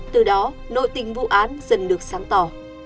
từ đó nội tình vụ án dần được sáng tỏ